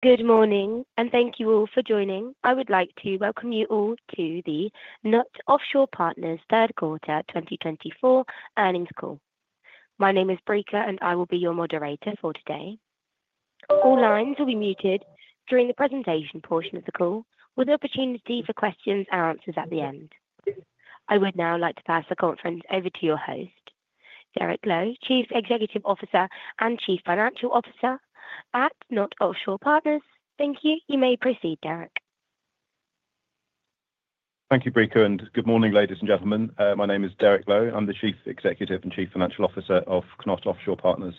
Good morning, and thank you all for joining. I would like to welcome you all to the KNOT Offshore Partners' third quarter 2024 earnings call. My name is Breaker, and I will be your moderator for today. All lines will be muted during the presentation portion of the call, with an opportunity for questions and answers at the end. I would now like to pass the conference over to your host, Derek Lowe, Chief Executive Officer and Chief Financial Officer at KNOT Offshore Partners. Thank you. You may proceed, Derek. Thank you, Breaker, and good morning, ladies and gentlemen. My name is Derek Lowe. I'm the Chief Executive and Chief Financial Officer of KNOT Offshore Partners.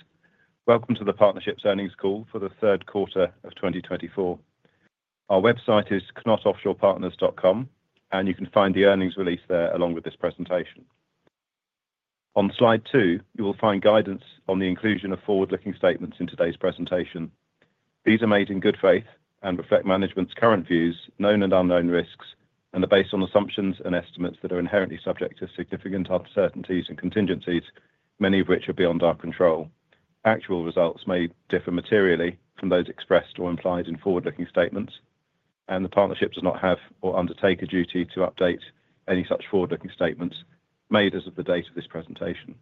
Welcome to the partnership's earnings call for the third quarter of 2024. Our website is knotoffshorepartners.com, and you can find the earnings release there along with this presentation. On slide two, you will find guidance on the inclusion of forward-looking statements in today's presentation. These are made in good faith and reflect management's current views, known and unknown risks, and are based on assumptions and estimates that are inherently subject to significant uncertainties and contingencies, many of which are beyond our control. Actual results may differ materially from those expressed or implied in forward-looking statements, and the partnership does not have or undertake a duty to update any such forward-looking statements made as of the date of this presentation.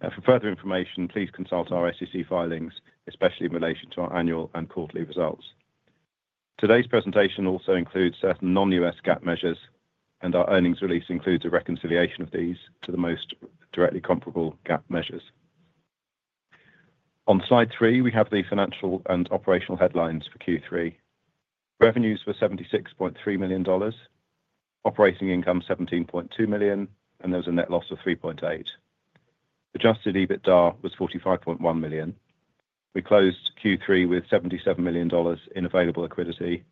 For further information, please consult our SEC filings, especially in relation to our annual and quarterly results. Today's presentation also includes certain non-GAAP measures, and our earnings release includes a reconciliation of these to the most directly comparable GAAP measures. On slide three, we have the financial and operational headlines for Q3. Revenues were $76.3 million, operating income $17.2 million, and there was a net loss of $3.8 million. Adjusted EBITDA was $45.1 million. We closed Q3 with $77 million in available equity,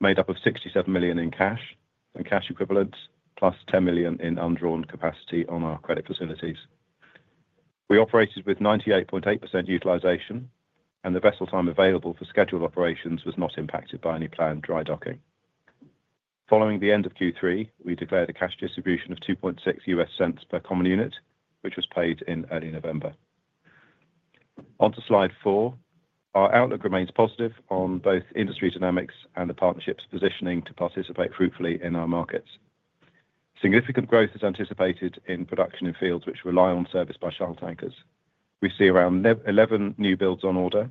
made up of $67 million in cash and cash equivalents, +$10 million in undrawn capacity on our credit facilities. We operated with 98.8% utilization, and the vessel time available for scheduled operations was not impacted by any planned dry docking. Following the end of Q3, we declared a cash distribution of $2.60 per common unit, which was paid in early November. Onto slide four, our outlook remains positive on both industry dynamics and the partnership's positioning to participate fruitfully in our markets. Significant growth is anticipated in production in fields which rely on service by shuttle tankers. We see around 11 new builds on order,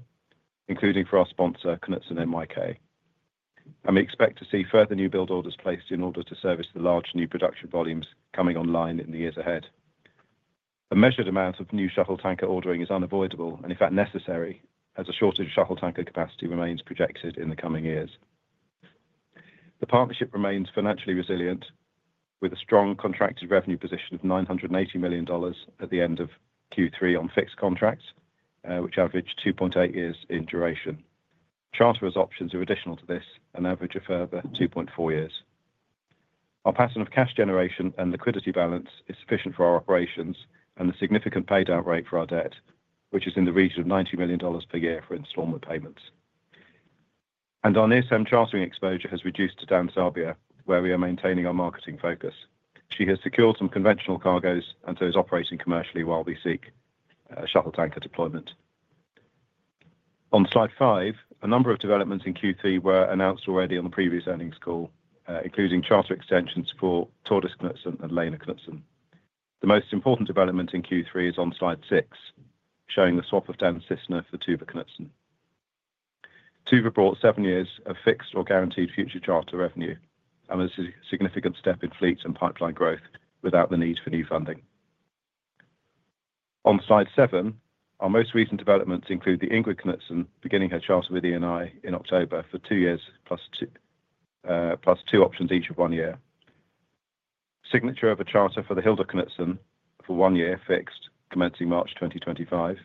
including for our sponsor, Knutsen NYK, and we expect to see further new build orders placed in order to service the large new production volumes coming online in the years ahead. A measured amount of new shuttle tanker ordering is unavoidable and, in fact, necessary, as a shortage of shuttle tanker capacity remains projected in the coming years. The partnership remains financially resilient, with a strong contracted revenue position of $980 million at the end of Q3 on fixed contracts, which averaged 2.8 years in duration. Charter extension options are additional to this, an average of further 2.4 years. Our pattern of cash generation and liquidity balance is sufficient for our operations and the significant payout rate for our debt, which is in the region of $90 million per year for installment payments, and our near-term chartering exposure has reduced to Dan Sabia, where we are maintaining our marketing focus. She has secured some conventional cargoes and so is operating commercially while we seek shuttle tanker deployment. On slide five, a number of developments in Q3 were announced already on the previous earnings call, including charter extensions for Tordis Knutsen and Lena Knutsen. The most important development in Q3 is on slide six, showing the swap of Dan Cisne for Tuva Knutsen. Tuva brought seven years of fixed or guaranteed future charter revenue, and this is a significant step in fleet and pipeline growth without the need for new funding. On slide seven, our most recent developments include the Ingrid Knutsen beginning her charter with Eni in October for two years, +2 options each of one year. Signature of a charter for the Hilda Knutsen for one year, fixed, commencing March 2025.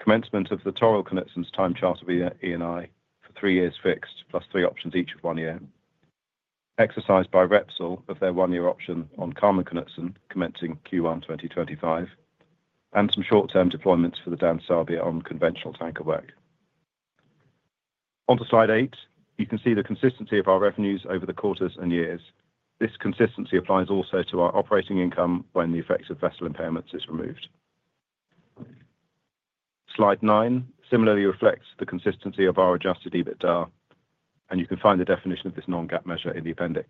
Commencement of the Torill Knutsen's time charter via Eni for three years, fixed, +3 options each of one year. Exercise by Repsol of their one-year option on Carmen Knutsen, commencing Q1 2025, and some short-term deployments for the Dan Sabia on conventional tanker work. Onto slide eight, you can see the consistency of our revenues over the quarters and years. This consistency applies also to our operating income when the effect of vessel impairments is removed. Slide nine similarly reflects the consistency of our Adjusted EBITDA, and you can find the definition of this non-GAAP measure in the appendix.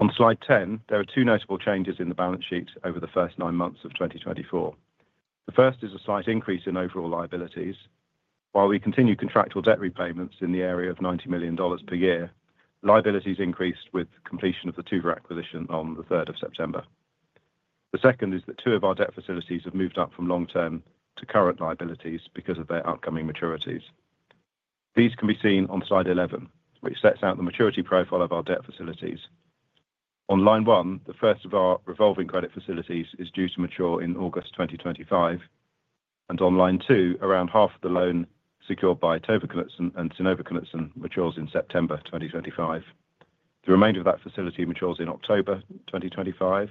On slide ten, there are two notable changes in the balance sheet over the first nine months of 2024. The first is a slight increase in overall liabilities. While we continue contractual debt repayments in the area of $90 million per year, liabilities increased with completion of the Tuva acquisition on the 3rd of September. The second is that two of our debt facilities have moved up from long-term to current liabilities because of their upcoming maturities. These can be seen on slide 11, which sets out the maturity profile of our debt facilities. On line one, the first of our revolving credit facilities is due to mature in August 2025, and on line two, around half of the loan secured by Tove Knutsen and Synnøve Knutsen matures in September 2025. The remainder of that facility matures in October 2025,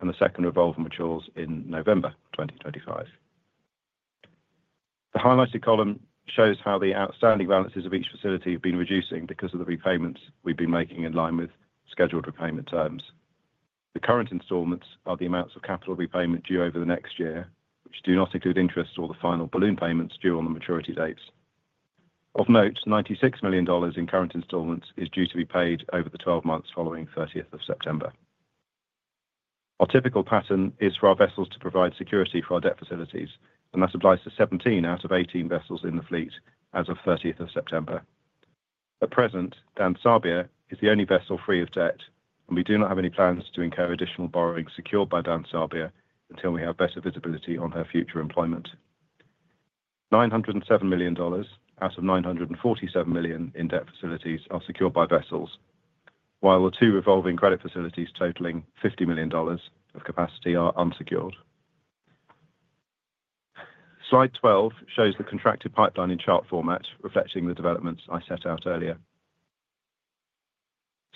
and the second revolver matures in November 2025. The highlighted column shows how the outstanding balances of each facility have been reducing because of the repayments we've been making in line with scheduled repayment terms. The current installments are the amounts of capital repayment due over the next year, which do not include interest or the final balloon payments due on the maturity dates. Of note, $96 million in current installments is due to be paid over the 12 months following 30th of September. Our typical pattern is for our vessels to provide security for our debt facilities, and that applies to 17 out of 18 vessels in the fleet as of 30th of September. At present, Dan Sabia is the only vessel free of debt, and we do not have any plans to incur additional borrowing secured by Dan Sabia until we have better visibility on her future employment. $907 million out of $947 million in debt facilities are secured by vessels, while the two revolving credit facilities totaling $50 million of capacity are unsecured. Slide 12 shows the contracted pipeline in chart format, reflecting the developments I set out earlier.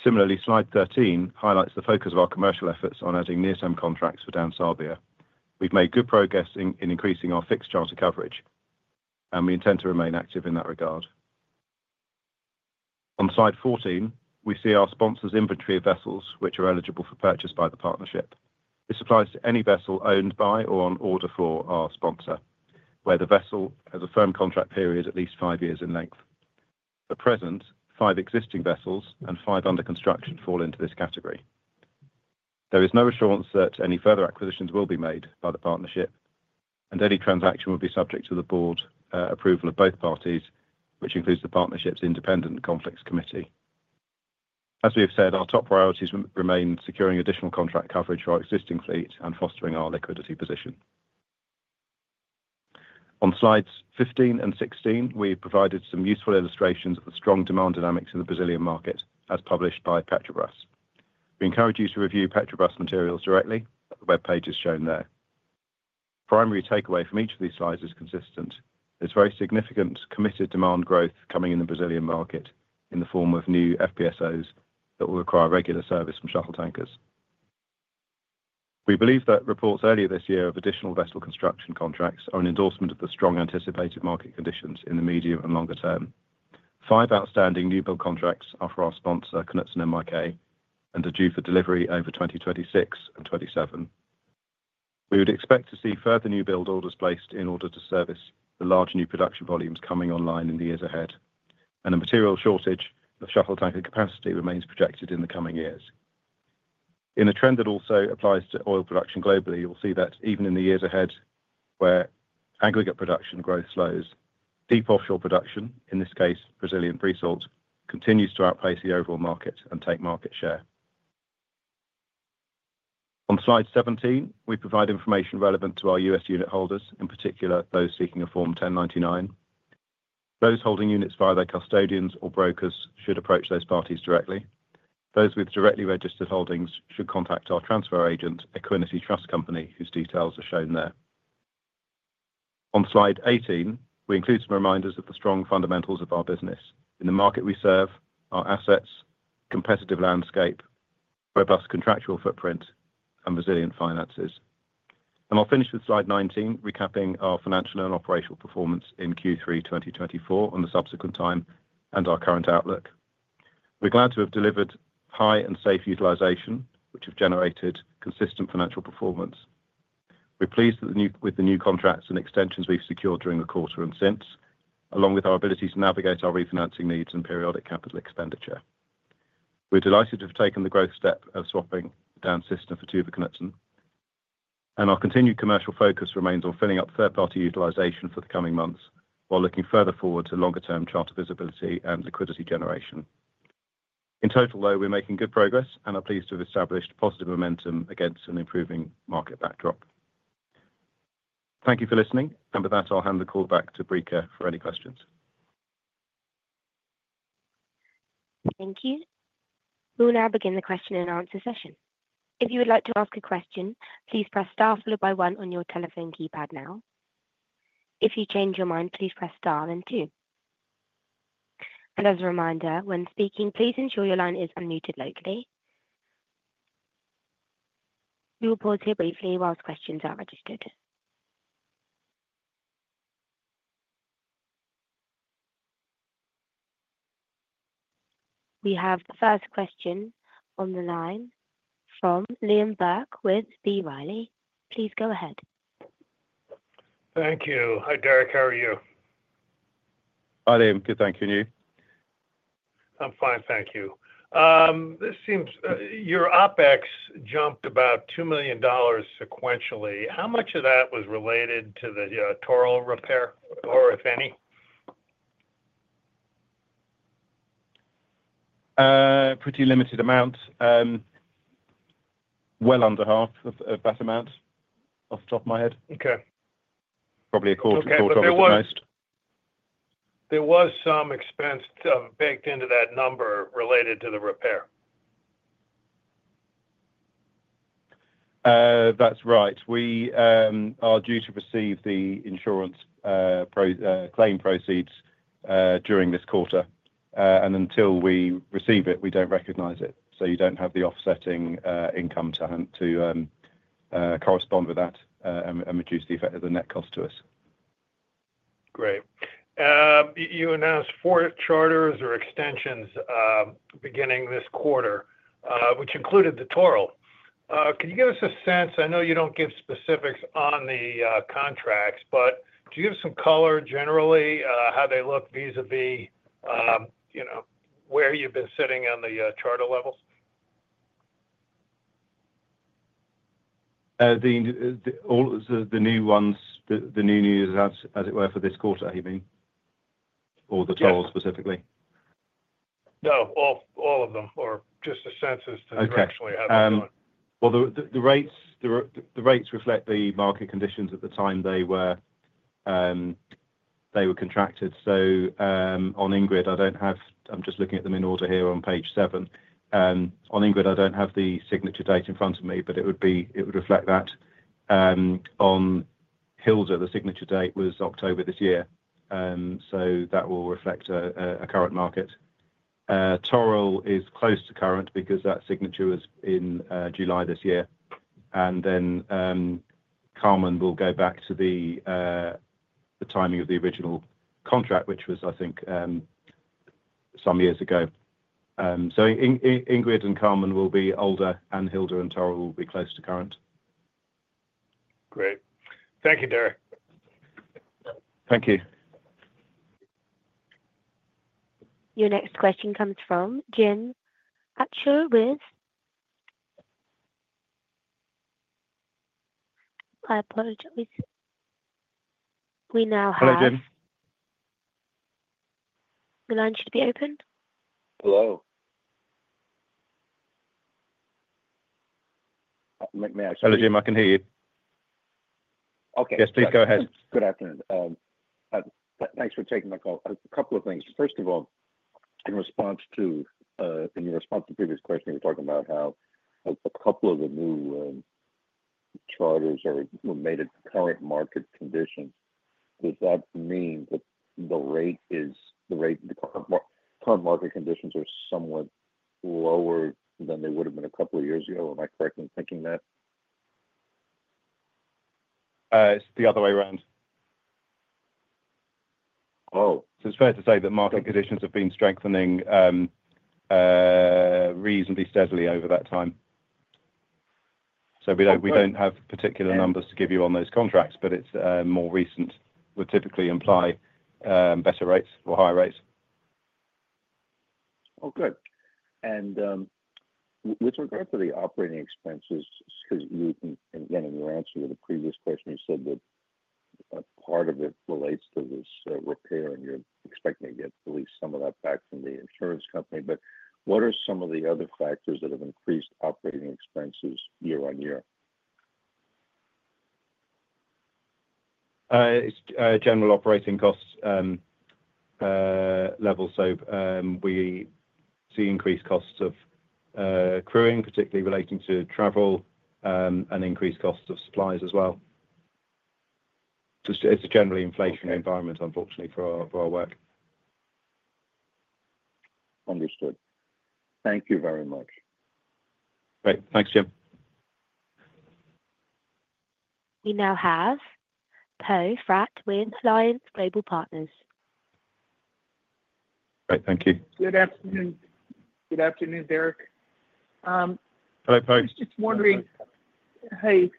Similarly, slide 13 highlights the focus of our commercial efforts on adding near-term contracts for Dan Sabia. We've made good progress in increasing our fixed charter coverage, and we intend to remain active in that regard. On slide 14, we see our sponsor's inventory of vessels which are eligible for purchase by the partnership. This applies to any vessel owned by or on order for our sponsor, where the vessel has a firm contract period at least five years in length. At present, five existing vessels and five under construction fall into this category. There is no assurance that any further acquisitions will be made by the partnership, and any transaction will be subject to the board approval of both parties, which includes the partnership's independent Conflicts Committee. As we have said, our top priorities remain securing additional contract coverage for our existing fleet and fostering our liquidity position. On slides 15 and 16, we have provided some useful illustrations of the strong demand dynamics in the Brazilian market, as published by Petrobras. We encourage you to review Petrobras materials directly at the web pages shown there. Primary takeaway from each of these slides is consistent. There's very significant committed demand growth coming in the Brazilian market in the form of new FPSOs that will require regular service from shuttle tankers. We believe that reports earlier this year of additional vessel construction contracts are an endorsement of the strong anticipated market conditions in the medium and longer term. Five outstanding new build contracts are for our sponsor, Knutsen NYK, and are due for delivery over 2026 and 2027. We would expect to see further new build orders placed in order to service the large new production volumes coming online in the years ahead, and a material shortage of shuttle tanker capacity remains projected in the coming years. In a trend that also applies to oil production globally, you'll see that even in the years ahead, where aggregate production growth slows, deep offshore production, in this case, Brazilian pre-salt, continues to outpace the overall market and take market share. On slide 17, we provide information relevant to our U.S. unit holders, in particular those seeking a Form 1099. Those holding units via their custodians or brokers should approach those parties directly. Those with directly registered holdings should contact our transfer agent, Equiniti Trust Company, whose details are shown there. On slide 18, we include some reminders of the strong fundamentals of our business in the market we serve, our assets, competitive landscape, robust contractual footprint, and resilient finances. I'll finish with slide 19, recapping our financial and operational performance in Q3 2024 and the subsequent time and our current outlook. We're glad to have delivered high and safe utilization, which have generated consistent financial performance. We're pleased with the new contracts and extensions we've secured during the quarter and since, along with our ability to navigate our refinancing needs and periodic capital expenditure. We're delighted to have taken the growth step of swapping Dan Cisne for Tuva Knutsen, and our continued commercial focus remains on filling up third-party utilization for the coming months while looking further forward to longer-term charter visibility and liquidity generation. In total, though, we're making good progress and are pleased to have established positive momentum against an improving market backdrop. Thank you for listening, and with that, I'll hand the call back to Breaker for any questions. Thank you. We will now begin the question-and-answer session. If you would like to ask a question, please press star followed by one on your telephone keypad now. If you change your mind, please press star then two. And as a reminder, when speaking, please ensure your line is unmuted locally. We will pause here briefly while questions are registered. We have the first question on the line from Liam Burke with B. Riley. Please go ahead. Thank you. Hi, Derek. How are you? Hi, Liam. Good, thank you. And you? I'm fine, thank you. Your OpEx jumped about $2 million sequentially. How much of that was related to the Torill repair, or if any? Pretty limited amount. Well under half of that amount, off the top of my head. Okay. Probably a quarter of what was most. There was some expense baked into that number related to the repair. That's right. We are due to receive the insurance claim proceeds during this quarter, and until we receive it, we don't recognize it. So you don't have the offsetting income to correspond with that and reduce the effect of the net cost to us. Great. You announced four charters or extensions beginning this quarter, which included the Torill. Can you give us a sense? I know you don't give specifics on the contracts, but could you give us some color generally, how they look vis-à-vis where you've been sitting on the charter levels? The new ones, the new news as it were for this quarter, you mean? Or the Torill specifically? No, all of them, or just a sense as to actually how they've gone? The rates reflect the market conditions at the time they were contracted. So on Ingrid, I don't have. I'm just looking at them in order here on page seven. On Ingrid, I don't have the signature date in front of me, but it would reflect that. On Hilda, the signature date was October this year. So that will reflect a current market. Torill is close to current because that signature was in July this year. And then Carmen will go back to the timing of the original contract, which was, I think, some years ago. So Ingrid and Carmen will be older, and Hilda and Torill will be close to current. Great. Thank you, Derek. Thank you. Your next question comes from Jim Altschul with, I apologize. We now have. Hello, Jim. The line should be open. Hello. Hello, Jim. I can hear you. Yes, please go ahead. Good afternoon. Thanks for taking my call. A couple of things. First of all, in response to the previous question, you were talking about how a couple of the new charters were made at current market conditions. Does that mean that the current market conditions are somewhat lower than they would have been a couple of years ago? Am I correct in thinking that? It's the other way around. Oh. It's fair to say that market conditions have been strengthening reasonably steadily over that time. We don't have particular numbers to give you on those contracts, but the more recent would typically imply better rates or higher rates. Oh, good. And with regard to the operating expenses, because again, in your answer to the previous question, you said that part of it relates to this repair, and you're expecting to get at least some of that back from the insurance company. But what are some of the other factors that have increased operating expenses year on year? It's general operating costs level. So we see increased costs of crewing, particularly relating to travel, and increased costs of supplies as well. It's a generally inflationary environment, unfortunately, for our work. Understood. Thank you very much. Great. Thanks, Jim. We now have Poe Fratt with Alliance Global Partners. Great. Thank you. Good afternoon. Good afternoon, Derek. Hello, Poe. I was just wondering, hey,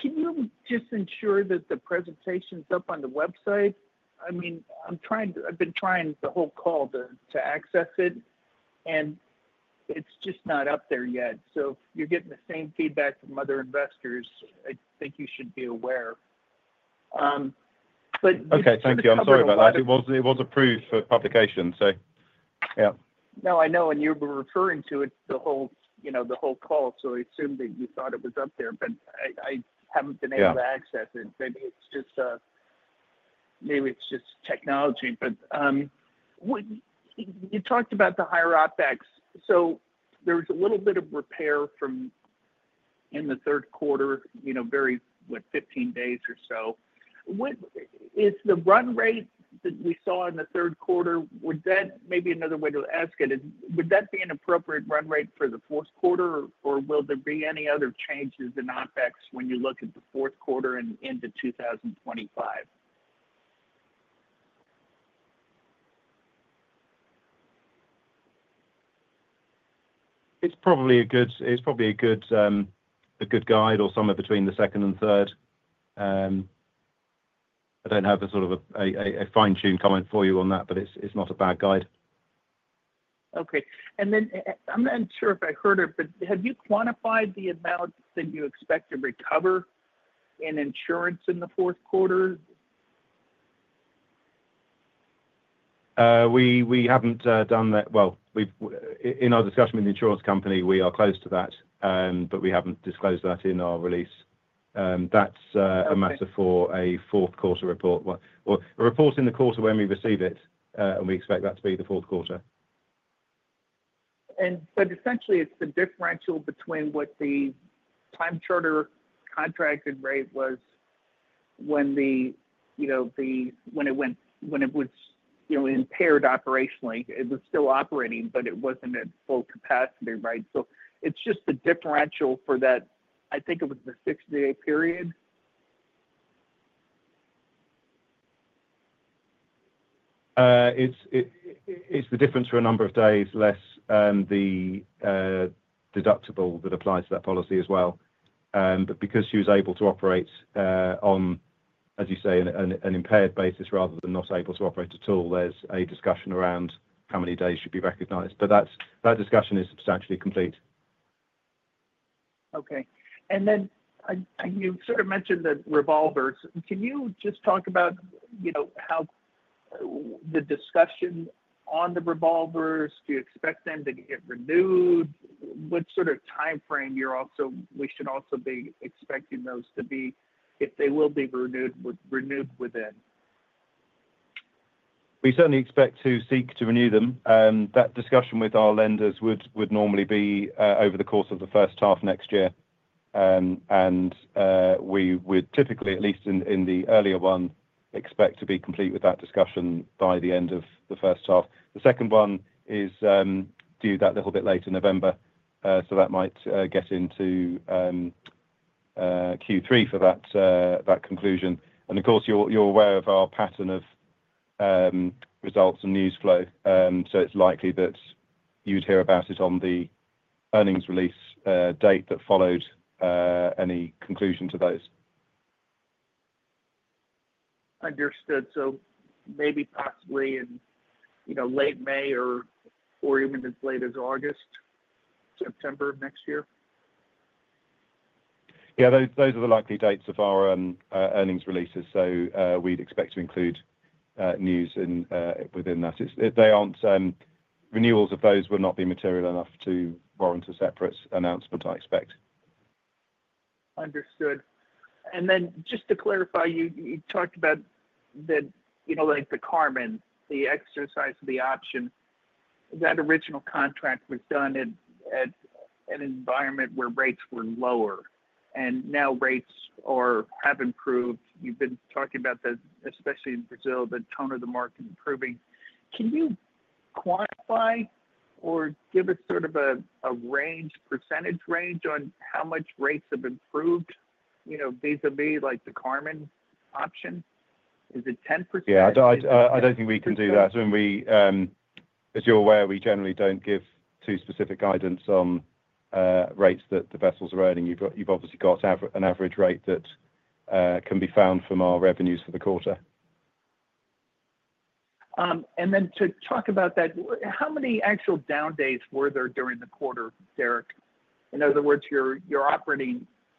can you just ensure that the presentation's up on the website? I mean, I've been trying the whole call to access it, and it's just not up there yet. So if you're getting the same feedback from other investors, I think you should be aware. But you should. Okay. Thank you. I'm sorry about that. It was approved for publication, so yeah. No, I know. And you were referring to it the whole call, so I assumed that you thought it was up there, but I haven't been able to access it. Maybe it's just technology. But you talked about the higher OpEx. So there was a little bit of repair in the third quarter, very what, 15 days or so. Is the run rate that we saw in the third quarter (would that maybe another way to ask it) would that be an appropriate run rate for the fourth quarter, or will there be any other changes in OpEx when you look at the fourth quarter and into 2025? It's probably a good guide or somewhere between the second and third. I don't have a sort of a fine-tuned comment for you on that, but it's not a bad guide. Okay. And then I'm not sure if I heard it, but have you quantified the amount that you expect to recover in insurance in the fourth quarter? We haven't done that. Well, in our discussion with the insurance company, we are close to that, but we haven't disclosed that in our release. That's a matter for a fourth quarter report. We're reporting the quarter when we receive it, and we expect that to be the fourth quarter. But essentially, it's the differential between what the time charter contracted rate was when it was impaired operationally. It was still operating, but it wasn't at full capacity, right? So it's just the differential for that. I think it was the 60-day period. It's the difference for a number of days less the deductible that applies to that policy as well. But because she was able to operate on, as you say, an impaired basis rather than not able to operate at all, there's a discussion around how many days should be recognized. But that discussion is substantially complete. Okay. And then you sort of mentioned the revolvers. Can you just talk about how the discussion on the revolvers? Do you expect them to get renewed? What sort of timeframe we should also be expecting those to be if they will be renewed within? We certainly expect to seek to renew them. That discussion with our lenders would normally be over the course of the first half next year. And we would typically, at least in the earlier one, expect to be complete with that discussion by the end of the first half. The second one is due that little bit later in November, so that might get into Q3 for that conclusion. And of course, you're aware of our pattern of results and news flow, so it's likely that you'd hear about it on the earnings release date that followed any conclusion to those. Understood. So maybe possibly in late May or even as late as August, September of next year. Yeah. Those are the likely dates of our earnings releases, so we'd expect to include news within that. Renewals of those will not be material enough to warrant a separate announcement, I expect. Understood. And then just to clarify, you talked about the Carmen, the exercise of the option. That original contract was done in an environment where rates were lower, and now rates have improved. You've been talking about, especially in Brazil, the tone of the market improving. Can you quantify or give us sort of a percentage range on how much rates have improved vis-à-vis the Carmen option? Is it 10%? Yeah. I don't think we can do that. As you're aware, we generally don't give too specific guidance on rates that the vessels are earning. You've obviously got an average rate that can be found from our revenues for the quarter. And then to talk about that, how many actual down days were there during the quarter, Derek? In other words,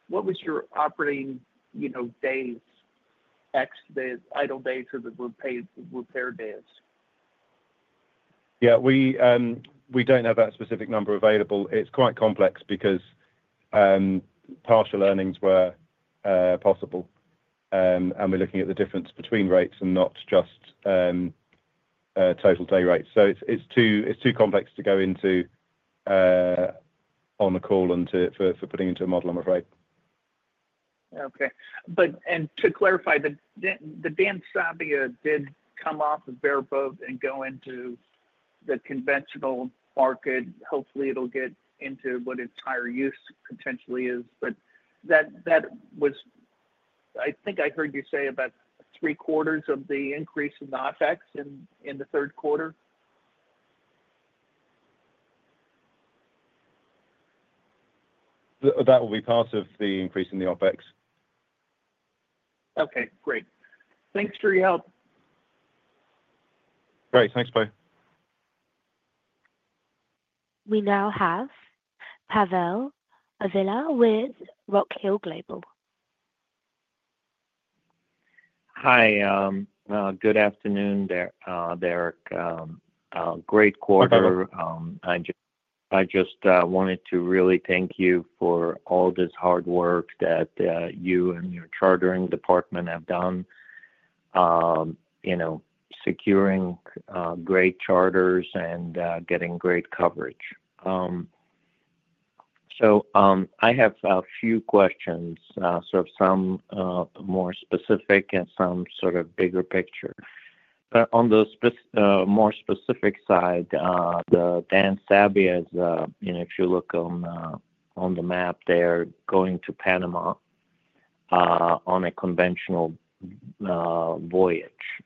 what was your operating days ex the idle days or the repair days? Yeah. We don't have that specific number available. It's quite complex because partial earnings were possible, and we're looking at the difference between rates and not just total day rates. So it's too complex to go into on a call for putting into a model, I'm afraid. Okay, and to clarify, the Dan Sabia did come off of bareboat and go into the conventional market. Hopefully, it'll get into what its higher use potentially is. But I think I heard you say about three-quarters of the increase in the OpEx in the third quarter. That will be part of the increase in the OpEx. Okay. Great. Thanks for your help. Great. Thanks, Po. We now have Pavel Oliva with Rock Hill Global. Hi. Good afternoon, Derek. Great quarter. I just wanted to really thank you for all this hard work that you and your chartering department have done, securing great charters and getting great coverage. So I have a few questions, sort of some more specific and some sort of bigger picture. On the more specific side, the Dan Sabia's, if you look on the map, they're going to Panama on a conventional voyage.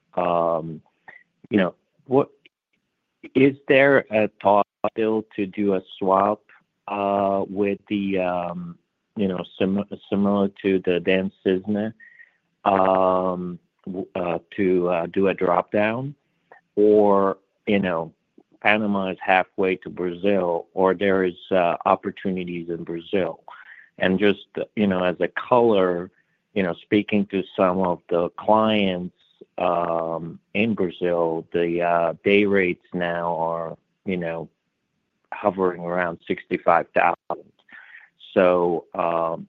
Is there a thought still to do a swap with the similar to the Dan Cisne to do a dropdown? Or Panama is halfway to Brazil, or there are opportunities in Brazil. And just as a color, speaking to some of the clients in Brazil, the day rates now are hovering around $65,000. So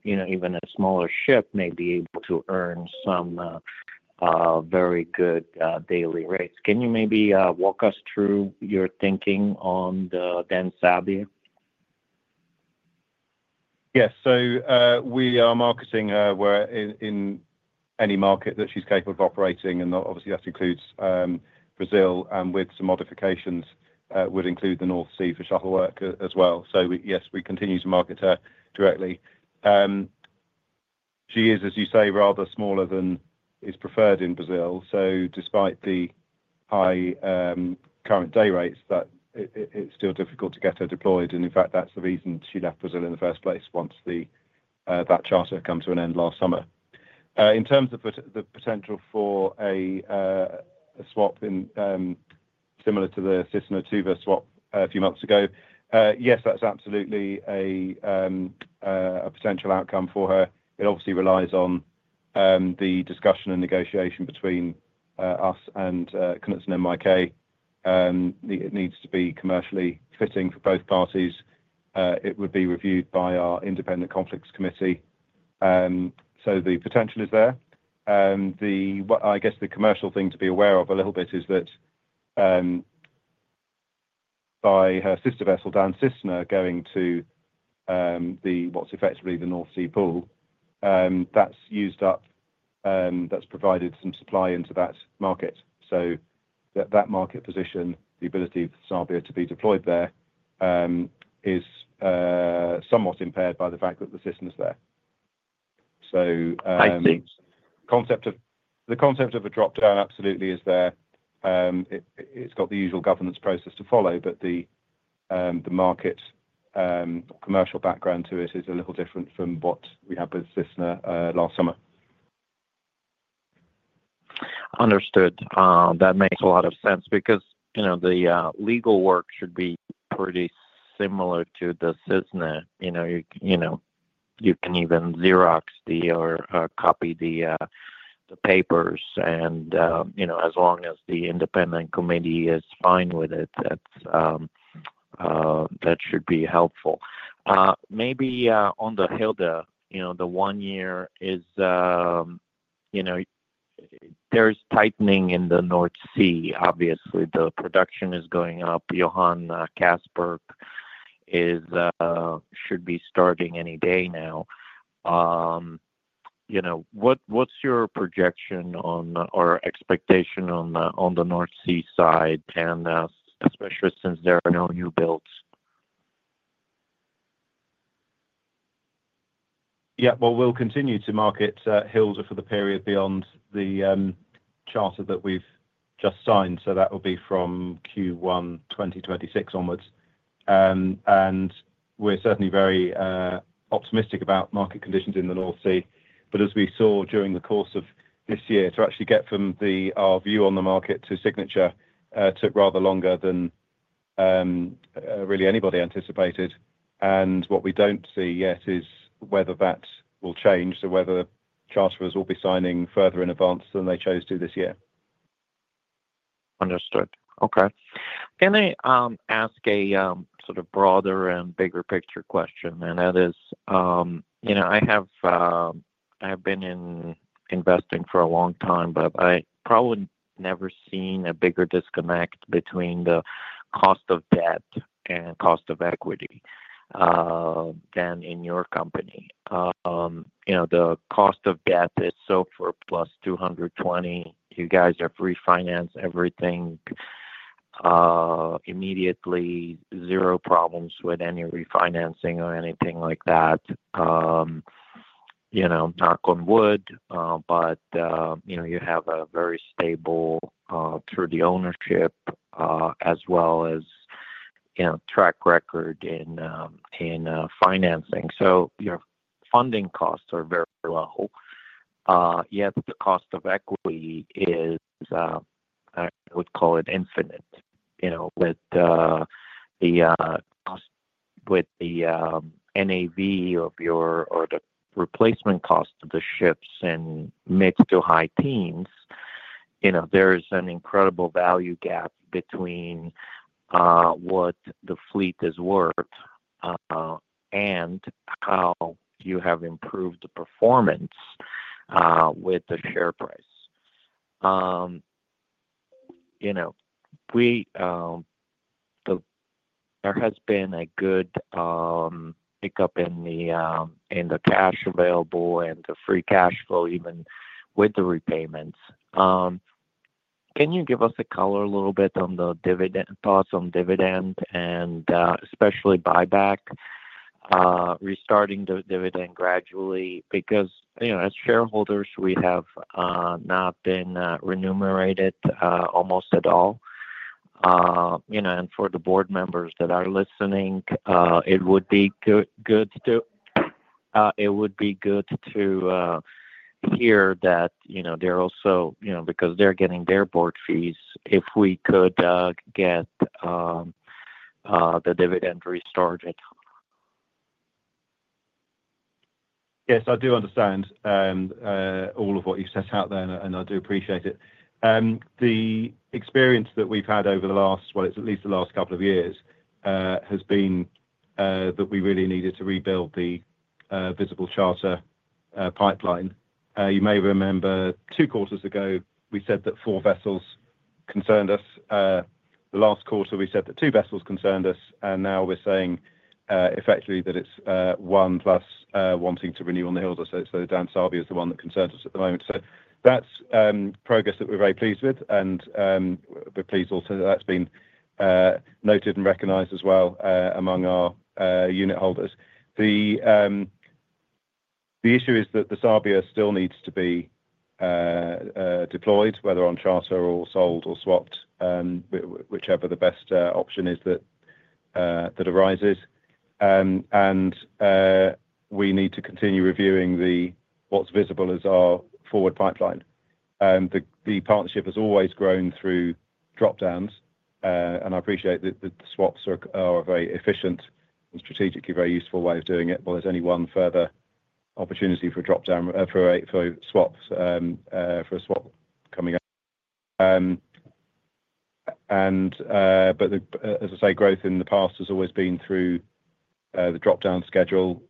even a smaller ship may be able to earn some very good daily rates. Can you maybe walk us through your thinking on the Dan Sabia? Yes. So we are marketing her in any market that she's capable of operating, and obviously, that includes Brazil. And with some modifications, would include the North Sea for shuttle work as well. So yes, we continue to market her directly. She is, as you say, rather smaller than is preferred in Brazil. So despite the high current day rates, it's still difficult to get her deployed. And in fact, that's the reason she left Brazil in the first place once that charter had come to an end last summer. In terms of the potential for a swap similar to the Cisne-Tuva swap a few months ago, yes, that's absolutely a potential outcome for her. It obviously relies on the discussion and negotiation between us and Knutsen NYK. It needs to be commercially fitting for both parties. It would be reviewed by our independent Conflicts Committee. So the potential is there. I guess the commercial thing to be aware of a little bit is that by her sister vessel, Dan Cisne, going to what's effectively the North Sea pool, that's used up. That's provided some supply into that market. So that market position, the ability of Sabia to be deployed there, is somewhat impaired by the fact that the Cisne's there. So the concept of a dropdown absolutely is there. It's got the usual governance process to follow, but the market commercial background to it is a little different from what we had with Cisne last summer. Understood. That makes a lot of sense because the legal work should be pretty similar to the Dan Cisne. You can even Xerox or copy the papers. And as long as the independent committee is fine with it, that should be helpful. Maybe on the Hilda, the one year is, there's tightening in the North Sea. Obviously, the production is going up. Johan Castberg should be starting any day now. What's your projection or expectation on the North Sea side, especially since there are no new builds? Yeah. Well, we'll continue to market Hilda for the period beyond the charter that we've just signed. So that will be from Q1 2026 onwards. And we're certainly very optimistic about market conditions in the North Sea. But as we saw during the course of this year, to actually get from our view on the market to signature took rather longer than really anybody anticipated. And what we don't see yet is whether that will change or whether charterers will be signing further in advance than they chose to this year. Understood. Okay. Can I ask a sort of broader and bigger picture question? And that is, I have been in investing for a long time, but I've probably never seen a bigger disconnect between the cost of debt and cost of equity than in your company. The cost of debt is so far +220. You guys are refinancing everything immediately. Zero problems with any refinancing or anything like that. Knock on wood, but you have a very stable true ownership as well as track record in financing. So your funding costs are very low, yet the cost of equity is, I would call it, infinite. With the NAV of your or the replacement cost of the ships in mid to high teens, there is an incredible value gap between what the fleet has worked and how you have improved the performance with the share price. There has been a good pickup in the cash available and the free cash flow even with the repayments. Can you give us a color a little bit on the thoughts on dividend and especially buyback, restarting the dividend gradually? Because as shareholders, we have not been remunerated almost at all. And for the board members that are listening, it would be good to hear that they're also because they're getting their board fees, if we could get the dividend restarted. Yes. I do understand all of what you've set out there, and I do appreciate it. The experience that we've had over the last, well, it's at least the last couple of years, has been that we really needed to rebuild the visible charter pipeline. You may remember two quarters ago, we said that four vessels concerned us. The last quarter, we said that two vessels concerned us, and now we're saying effectively that it's one plus wanting to renew on the Hilda. So Dan Sabia is the one that concerns us at the moment. So that's progress that we're very pleased with. And we're pleased also that that's been noted and recognized as well among our unit holders. The issue is that the Sabia still needs to be deployed, whether on charter or sold or swapped, whichever the best option is that arises. We need to continue reviewing what's visible as our forward pipeline. The partnership has always grown through dropdowns, and I appreciate that the swaps are a very efficient and strategically very useful way of doing it. There's only one further opportunity for a swap coming up. As I say, growth in the past has always been through the dropdown schedule,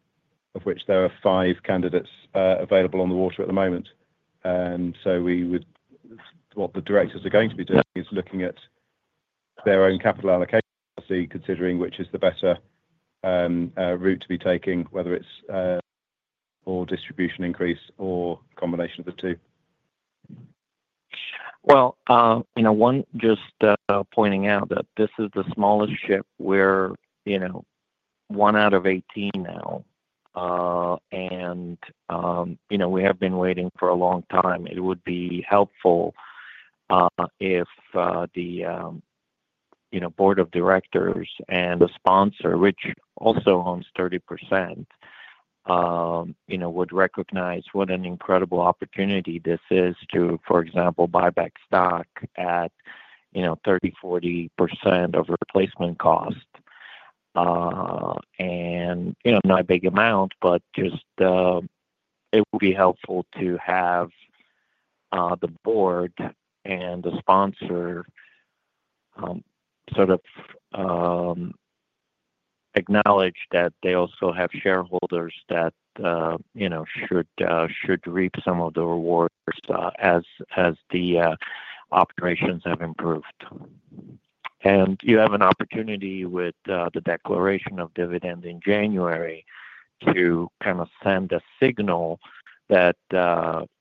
of which there are five candidates available on the water at the moment. What the directors are going to be doing is looking at their own capital allocation, considering which is the better route to be taking, whether it's more distribution increase or a combination of the two. Just pointing out that this is the smallest ship. We're one out of 18 now, and we have been waiting for a long time. It would be helpful if the board of directors and the sponsor, which also owns 30%, would recognize what an incredible opportunity this is to, for example, buy back stock at 30%-40% of replacement cost. Not a big amount, but just it would be helpful to have the board and the sponsor sort of acknowledge that they also have shareholders that should reap some of the rewards as the operations have improved. You have an opportunity with the declaration of dividend in January to kind of send a signal that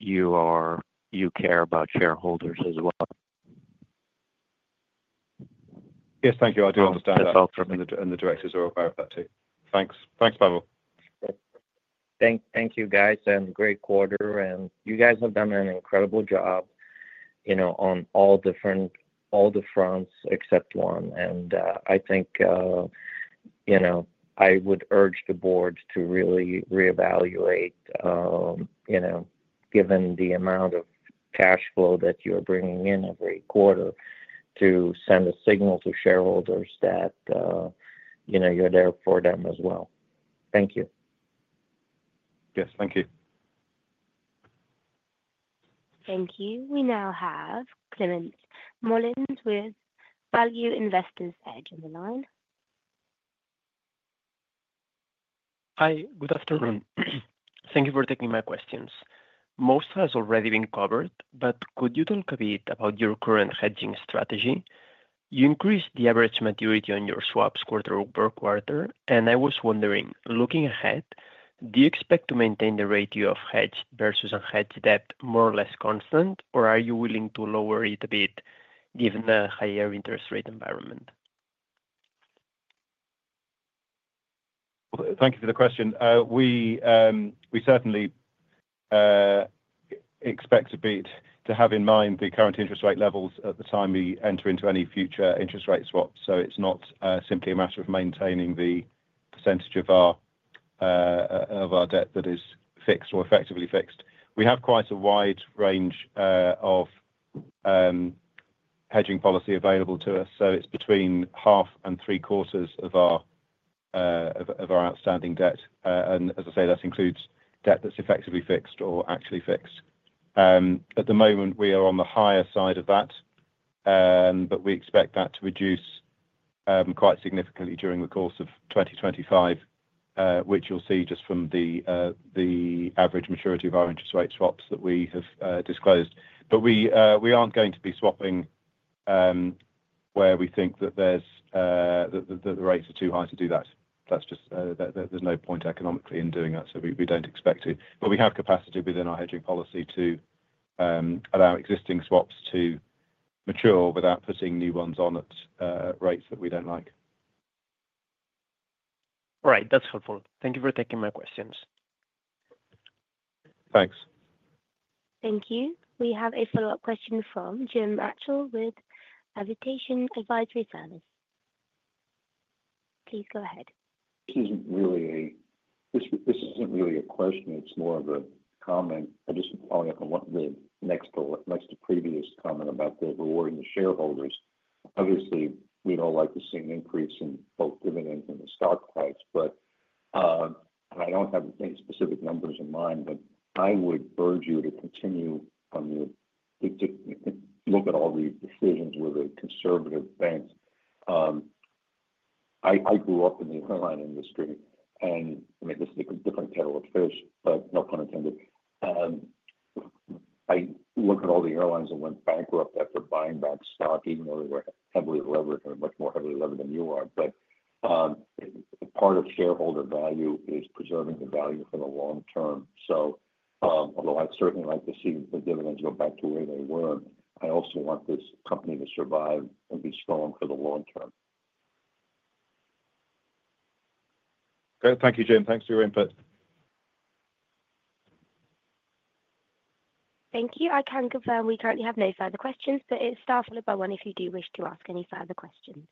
you care about shareholders as well. Yes. Thank you. I do understand that. And the directors are aware of that too. Thanks. Thanks, Pavel. Thank you, guys. And great quarter. And you guys have done an incredible job on all different fronts except one. And I think I would urge the board to really reevaluate, given the amount of cash flow that you are bringing in every quarter, to send a signal to shareholders that you're there for them as well. Thank you. Yes. Thank you. Thank you. We now have Climent Molins with Value Investor's Edge on the line. Hi. Good afternoon. Thank you for taking my questions. Most has already been covered, but could you talk a bit about your current hedging strategy? You increased the average maturity on your swaps quarter-over-quarter, and I was wondering, looking ahead, do you expect to maintain the ratio of hedged versus unhedged debt more or less constant, or are you willing to lower it a bit given the higher interest rate environment? Thank you for the question. We certainly expect to bear in mind the current interest rate levels at the time we enter into any future interest rate swaps. So it's not simply a matter of maintaining the percentage of our debt that is fixed or effectively fixed. We have quite a wide range of hedging policy available to us. So it's between half and three quarters of our outstanding debt. And as I say, that includes debt that's effectively fixed or actually fixed. At the moment, we are on the higher side of that, but we expect that to reduce quite significantly during the course of 2025, which you'll see just from the average maturity of our interest rate swaps that we have disclosed. We aren't going to be swapping where we think that the rates are too high to do that. There's no point economically in doing that, so we don't expect to. But we have capacity within our hedging policy to allow existing swaps to mature without putting new ones on at rates that we don't like. All right. That's helpful. Thank you for taking my questions. Thanks. Thank you. We have a follow-up question from Jim Altschul with Aviation Advisory Service. Please go ahead. This isn't really a question. It's more of a comment. I'm just following up on the previous comment about the rewarding of shareholders. Obviously, we'd all like to see an increase in both dividends and the stock price, but I don't have any specific numbers in mind. But I would urge you to continue to look at all the decisions with a conservative bank. I grew up in the airline industry, and this is a different kettle of fish, but no pun intended. I looked at all the airlines that went bankrupt after buying back stock, even though they were heavily leveraged and much more heavily leveraged than you are. But part of shareholder value is preserving the value for the long term. So although I'd certainly like to see the dividends go back to where they were, I also want this company to survive and be strong for the long term. Thank you, Jim. Thanks for your input. Thank you. I can confirm we currently have no further questions, but it's star followed by one if you do wish to ask any further questions.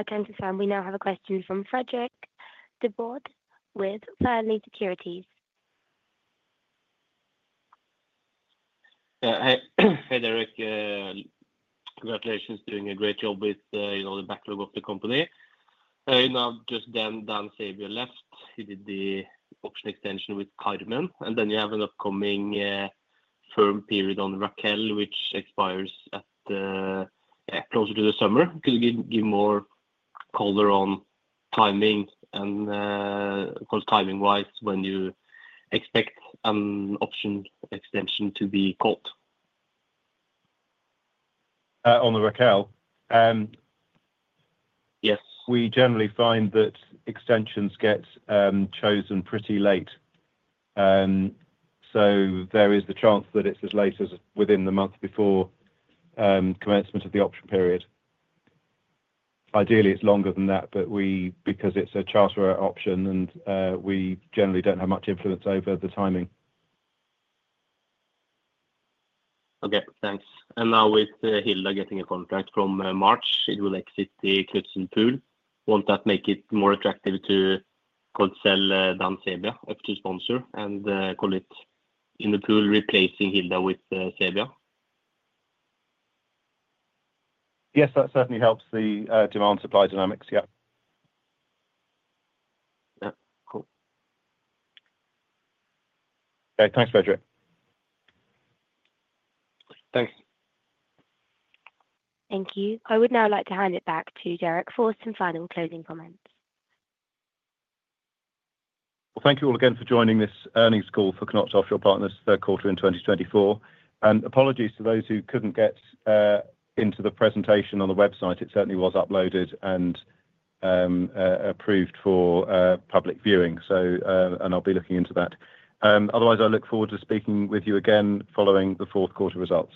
I can confirm we now have a question from Fredrik Dybwad with Fearnley Securities. Hey, Derek. Congratulations on doing a great job with the backlog of the company. Just then, Dan Sabia left. He did the option extension with Knutsen. And then you have an upcoming firm period on Raquel, which expires closer to the summer. Could you give more color on timing and, of course, timing-wise, when you expect an option extension to be called? On the Raquel? Yes. We generally find that extensions get chosen pretty late. So there is the chance that it's as late as within the month before commencement of the option period. Ideally, it's longer than that, but because it's a charter option, we generally don't have much influence over the timing. Okay. Thanks. And now with Hilda getting a contract from March, it will exit the Knutsen pool. Won't that make it more attractive to sell Dan Sabia up to sponsor and call it in the pool replacing Hilda with Sabia? Yes. That certainly helps the demand-supply dynamics. Yeah. Yeah. Cool. Okay. Thanks, Fredrik. Thanks. Thank you. I would now like to hand it back to Derek for some final closing comments. Thank you all again for joining this earnings call for KNOT Offshore Partners third quarter in 2024. Apologies to those who couldn't get into the presentation on the website. It certainly was uploaded and approved for public viewing, and I'll be looking into that. Otherwise, I look forward to speaking with you again following the fourth quarter results.